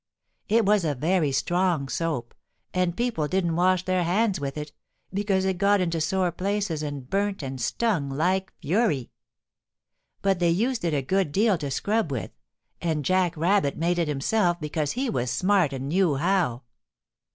It was very strong soap, and people didn't wash their hands with it, because it got into sore places and burnt and stung like fury. But they used it a good deal to scrub with, and Jack Rabbit made it himself because he was smart and knew how.